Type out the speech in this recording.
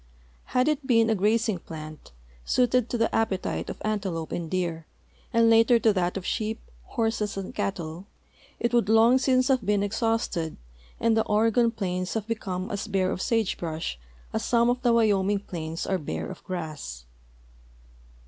Had it been a grazing plant, suited to the apj)etite of antelope and deer, and later to that of sheep, horses, and cattle, it would long since have been exhausted and the Oregon plains have become as bare of sage brush as some of the Wyoming plains are bare of grass